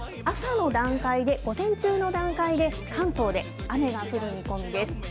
あす朝の段階で、午前中の段階で、関東で雨が降る見込みです。